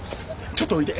ちょっとおいで。